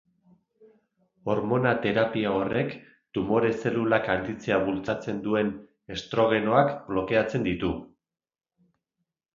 Hormona-terapia horrek tumore-zelulak handitzea bultzatzen duten estrogenoak blokeatzen ditu.